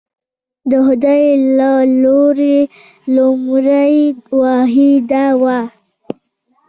د خدای له لوري لومړنۍ وحي دا وه.